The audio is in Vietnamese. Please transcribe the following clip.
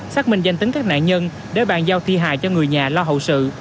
xác minh danh tính các nạn nhân để bàn giao thi hài cho người nhà lo hậu sự